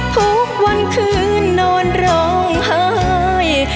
ทุกวันคืนนอนร้องไห้